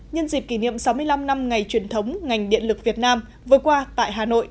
nhân dịp kỷ niệm sáu mươi năm năm ngày truyền thống ngành điện lực việt nam vừa qua tại hà nội